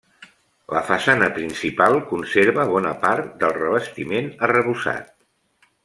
La façana principal conserva bona part del revestiment arrebossat.